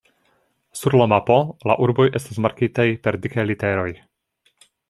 Sur la mapo la urboj estas markitaj per dikaj literoj.